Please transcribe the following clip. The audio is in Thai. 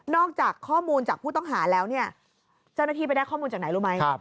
อกจากข้อมูลจากผู้ต้องหาแล้วเนี่ยเจ้าหน้าที่ไปได้ข้อมูลจากไหนรู้ไหม